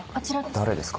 誰ですか？